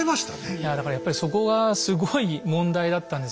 いやだからやっぱりそこがすごい問題だったんですね。